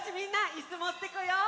いすもってこよう！